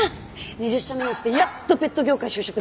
２０社目にしてやっとペット業界就職だよ。